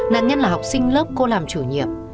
nạn nhân là học sinh lớp cô làm chủ nhiệm